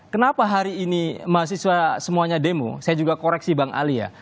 kenapa hari ini mahasiswa semuanya demo saya juga koreksi bang ali ya